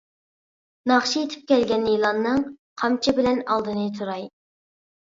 ناخشا ئېيتىپ كەلگەن يىلاننىڭ، قامچا بىلەن ئالدىنى توراي.